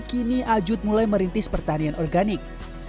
kini ajut mulai merintis pertanian organik